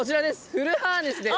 フルハーネスです。